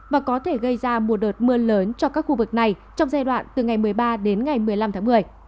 và có thể gây ra một đợt mưa lớn cho các khu vực này trong giai đoạn từ ngày một mươi ba đến ngày một mươi năm tháng một mươi